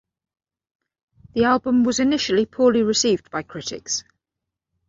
The album was initially poorly received by critics.